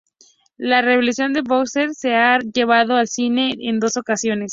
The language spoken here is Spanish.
La rebelión de los bóxers se ha llevado al cine en dos ocasiones.